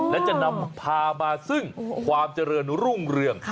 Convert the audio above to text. และจะนำพามาซึ่งความเจริญรุ่งเรือง